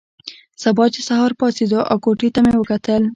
سبا چې سهار پاڅېدو او کوټې ته مې وکتل.